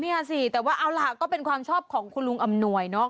เนี่ยสิแต่ว่าเอาล่ะก็เป็นความชอบของคุณลุงอำนวยเนอะ